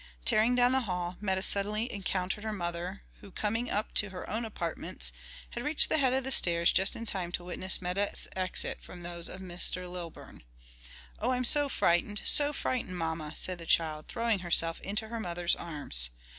Tearing down the hall, Meta suddenly encountered her mother, who, coming up to her own apartments, had reached the head of the stairs just in time to witness Meta's exit from those of Mr. Lilburn. "Oh I'm so frightened! so frightened, mamma!" cried the child, throwing herself into her mother's arms.